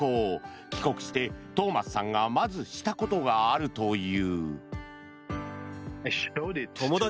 帰国してトーマスさんがまずしたことがあるという。